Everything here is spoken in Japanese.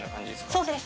そうです。